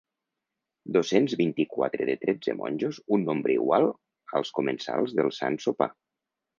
Dos-cents vint-i-quatre de tretze monjos, un nombre igual als comensals del Sant Sopar.